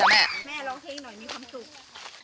แม่เราลองให้อีกหน่อยเมื่อสุข